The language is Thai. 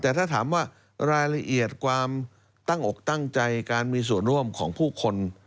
แต่ถ้าถามว่ารายละเอียดความตั้งอกตั้งใจการมีส่วนร่วมของผู้คน